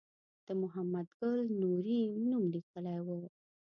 د محمد ګل نوري نوم لیکلی و.